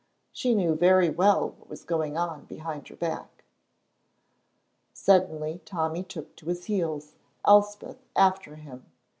She knew very well what was going on behind her back. Suddenly Tommy took to his heels, Elspeth after him.